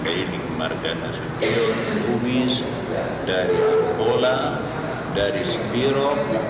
dari margana sukil umis dari angkola dari sipiro